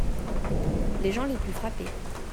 Les gens les plus frappés.